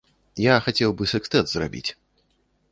Я хацеў бы сэкстэт зрабіць.